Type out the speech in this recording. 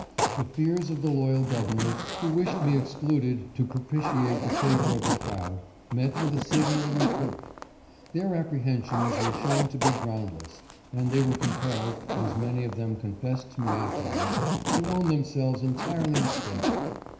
The fears of the loyal governors who wished me excluded to propitiate the favor of the crowd, met with a signal reproof. Their apprehensions were shown to be ground less, and they were compelled, as many of them confessed to me afterwards, to own themselves entirely mistaken.